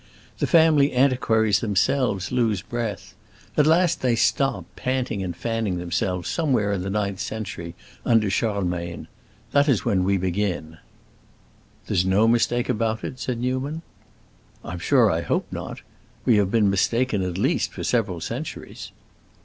The family antiquaries themselves lose breath. At last they stop, panting and fanning themselves, somewhere in the ninth century, under Charlemagne. That is where we begin." "There is no mistake about it?" said Newman. "I'm sure I hope not. We have been mistaken at least for several centuries."